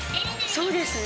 そうですね。